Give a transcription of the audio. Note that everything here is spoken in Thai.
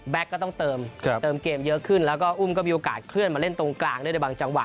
ก็ต้องเติมเกมเยอะขึ้นแล้วก็อุ้มก็มีโอกาสเคลื่อนมาเล่นตรงกลางด้วยในบางจังหวะ